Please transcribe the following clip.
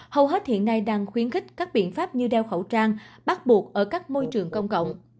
hầu hết hiện nay đang khuyến khích các biện pháp như đeo khẩu trang bắt buộc ở các môi trường công cộng